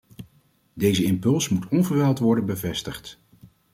Deze impuls moet onverwijld worden bevestigd.